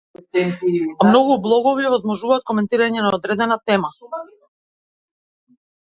Многу блогови овозможуваат коментирање на одредена тема.